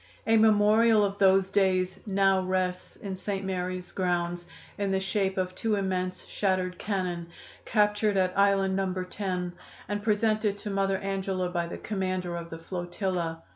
A memorial of those days now rests in St. Mary's grounds, in the shape of two immense shattered cannon, captured at Island No. 10, and presented to Mother Angela by the commander of the flotilla.